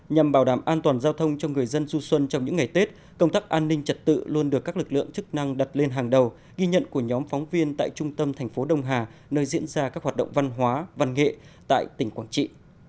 nhằm bảo đảm an toàn giao thông cho người dân du xuân trong những ngày tết công tác an ninh trật tự luôn được các lực lượng chức năng đặt lên hàng đầu ghi nhận của nhóm phóng viên tại trung tâm thành phố đông hà nơi diễn ra các hoạt động văn hóa văn nghệ tại tỉnh quảng trị